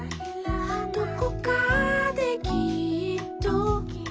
「どこかできっと」